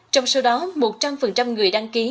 trong số đó một trăm linh người đăng ký